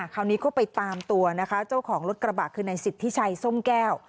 คราวนี้ก็ไปตามตัวนะคะเจ้าของรถกระบะคือในสิทธิชัยส้มแก้ว